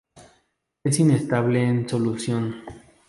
Es inestable en solución.